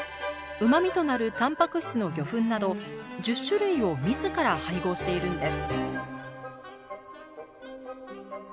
うまみとなるたんぱく質の魚粉など１０種類を自ら配合しているんです